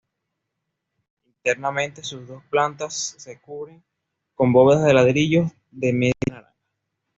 Internamente sus dos plantas se cubren con bóvedas de ladrillo de media naranja.